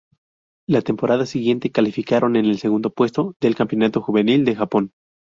La temporada siguiente, calificaron en el segundo puesto del Campeonato Juvenil de Japón.